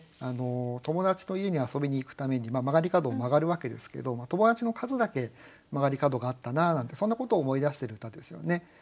友達と家に遊びに行くために曲がり角を曲がるわけですけど友達の数だけ曲がり角があったななんてそんなことを思い出してる歌ですよね。